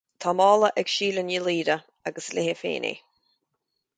Tá mála ag Síle Ní Laoire, agus is léi féin é